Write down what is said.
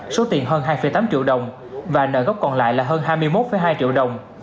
số tiền hơn hai tám triệu đồng và nợ gốc còn lại là hơn hai mươi một hai triệu đồng